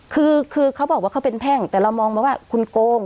คือคือเขาบอกว่าเขาเป็นแพ่งแต่เรามองมาว่าคุณโกง